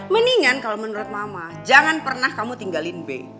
mendingan kalau menurut mama jangan pernah kamu tinggalin b